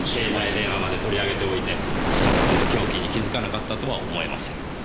携帯電話まで取り上げておいて懐の凶器に気づかなかったとは思えません。